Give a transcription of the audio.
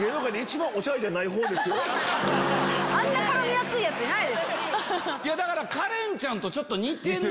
あんな絡みやすいヤツいないでしょ。